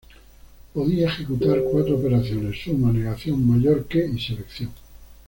Podía ejecutar cuatro operaciones: suma, negación, mayor que y selección.